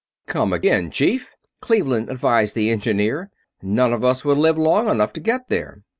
"Come again, Chief!" Cleveland advised the engineer. "None of us would live long enough to get there.